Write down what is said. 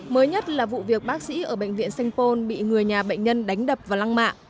mới nhất là vụ việc bác sĩ ở bệnh viện sanh pôn bị người nhà bệnh nhân đánh đập và lăng mạ